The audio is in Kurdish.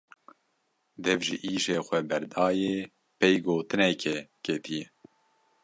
Dev ji îşê xwe berdaye pey gotinekê ketiye.